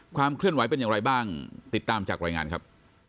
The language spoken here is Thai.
ความเคลื่อนไหวเป็นอย่างไรบ้างติดตามจากรายงานครับ